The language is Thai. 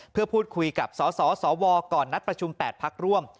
เพื่อพูดคุยกับสสวก่อนนัดประชุม๘พักร่วม